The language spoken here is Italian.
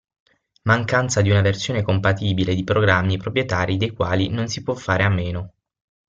Mancanza di una versione compatibile di programmi proprietari dei quali non si può fare a meno.